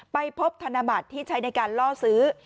ไปพบธนบัตรที่ใช้ในการล่อซื้อ